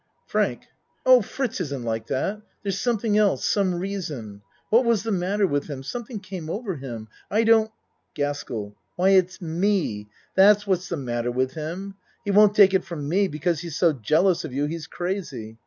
FRANK Oh, Fritz, isn't like that. There's something else some reason. What was the mat ter with him ? Something came over him I don't GASKELL Why, it's me that's what's the mat ter with him. He won't take it from me, because he's so jealous of you he's crazy.